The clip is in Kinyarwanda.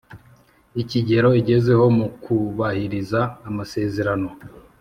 Ikigero Igezeho Mu Kubahiriza Amasezerano